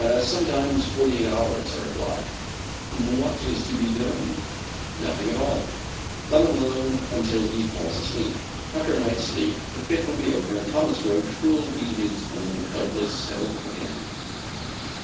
"Sometimes forty eight hours," I reply. "What is to be done?" "Nothing at all. Let him alone until he falls asleep. After a night's sleep the fit will be over and Thomas Roch will be his own helpless self again."